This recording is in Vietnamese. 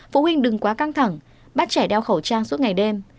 phụ huynh đừng quá căng thẳng bắt trẻ đeo khẩu trang suốt ngày đêm